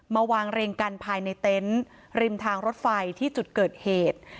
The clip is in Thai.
มาวางเรียงกันภายในเต็นต์ริมทางรถไฟที่จุดเกิดเหตุ